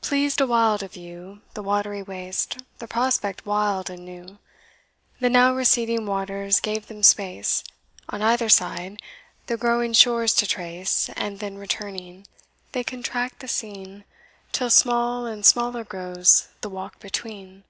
Pleased awhile to view The watery waste, the prospect wild and new; The now receding waters gave them space, On either side, the growing shores to trace And then returning, they contract the scene, Till small and smaller grows the walk between.